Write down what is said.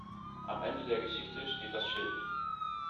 Am Ende der Geschichte steht das Schild.